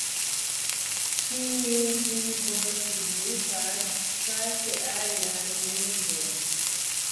Ĉiu tribo signifas fakte alian lingvon.